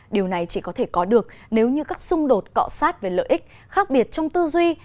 điều này chỉ có thể có được nếu như các xung đột cọ sát về lợi ích khác biệt trong tư duy